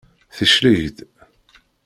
Tecleg-d.